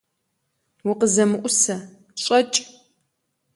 УкъызэмыӀусэ! ЩӀэкӀ!